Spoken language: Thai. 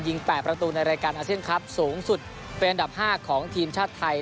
๘ประตูในรายการอาเซียนครับสูงสุดเป็นอันดับ๕ของทีมชาติไทย